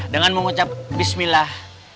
dengan mengucap bismillah